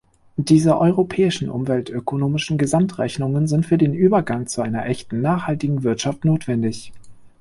Diese Europäischen Umweltökonomischen Gesamtrechnungen sind für den Übergang zu einer echten nachhaltigen Wirtschaft notwendig.